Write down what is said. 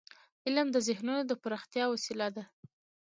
علم د ذهنونو د پراختیا وسیله ده.